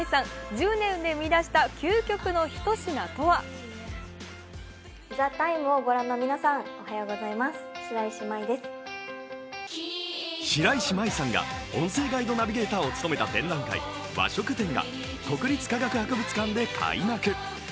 １０年で生み出した究極のひと品とは白石麻衣さんが音声ガイドナビゲーターを務めた展覧会・和食展が国立科学博物館で開幕。